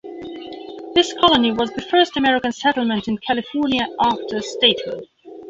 This colony was the first American settlement in California after Statehood.